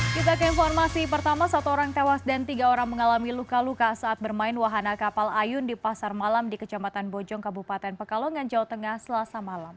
kita ke informasi pertama satu orang tewas dan tiga orang mengalami luka luka saat bermain wahana kapal ayun di pasar malam di kecamatan bojong kabupaten pekalongan jawa tengah selasa malam